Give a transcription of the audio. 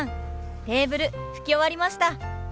テーブル拭き終わりました。